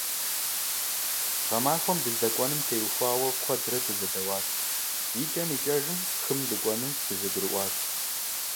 Гъэмахуэм дыздэкӀуэнум теухуауэ куэдрэ дызэдэуащ, икӀэм-икӀэжым хым дыкӀуэну дызэгурыӏуащ.